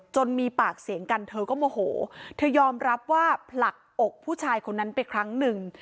มีปากเสียงกันเธอก็โมโหเธอยอมรับว่าผลักอกผู้ชายคนนั้นไปครั้งหนึ่ง